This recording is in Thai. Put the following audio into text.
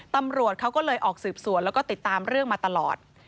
ตำรวจเขาก็เลยออกสืบสวนแล้วก็ติดตามเรื่องมาตลอด